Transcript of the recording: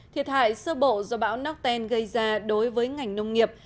thiệt hại sơ bộ do bão nakten gây ra đối với ngành nông nghiệp